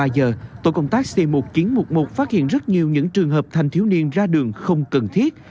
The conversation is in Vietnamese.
hai mươi giờ tổ công tác c một nghìn chín trăm một mươi một phát hiện rất nhiều những trường hợp thanh thiếu niên ra đường không cần thiết